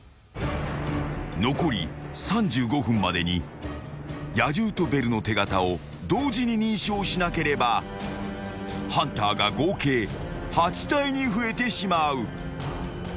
［残り３５分までに野獣とベルの手形を同時に認証しなければハンターが合計８体に増えてしまう］